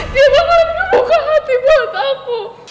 dia bakal buka hati buat aku